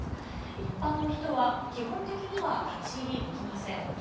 一般の人は基本的には立ち入りできません。